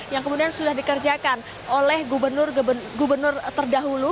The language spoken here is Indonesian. yang kemudian sudah dikerjakan oleh gubernur gubernur terdahulu